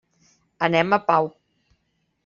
Anem a Pau.